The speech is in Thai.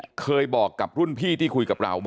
นกต้นน้องบอกกับรุ่นพี่ที่คุยกับเรา